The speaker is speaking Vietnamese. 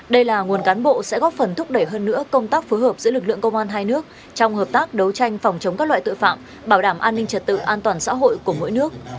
đây là nguồn cán bộ sẽ góp phần thúc đẩy hơn nữa công tác phối hợp giữa lực lượng công an hai nước trong hợp tác đấu tranh phòng chống các loại tội phạm bảo đảm an ninh trật tự an toàn xã hội của mỗi nước